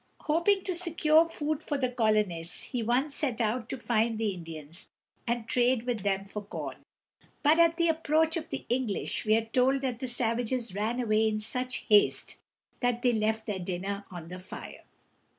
Hoping to secure food for the colonists, he once set out to find the Indians and trade with them for corn. But at the approach of the English, we are told that the savages ran away in such haste that they left their dinner on the fire.